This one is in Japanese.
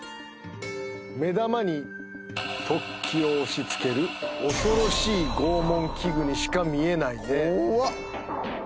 目玉に突起を押しつける恐ろしい拷問器具にしか見えないね怖っ